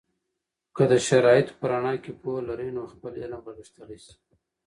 که د شرایطو په رڼا کې پوهه لرئ، نو خپل علم به غښتلی سي.